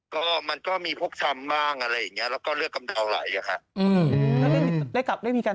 ก็มันก็มีพกช้ำบ้างอะไรอย่างเงี้ยแล้วก็เลือดกำเพราไหลอะค่ะ